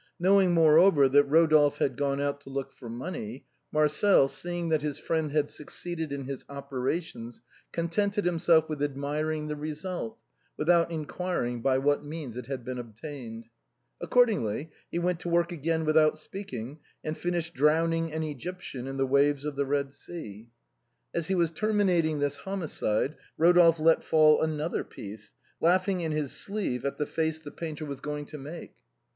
Knowing, moreover, that Rodolphe had gone out to look for money. Marcel, seeing that his friend had succeeded in his operations, contented himself with admiring the result, without inquiring by what means it had been obtained. Accordingly, he went to work again without speaking, and finished drowning an Egyptian in the waves of the Red Sea. As he was terminating this homicide, Rodolphe let fall another piece, laughing in his sleeve at the face the painter was going to make.